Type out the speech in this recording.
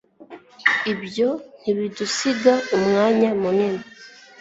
ibyo ntibidusiga umwanya munini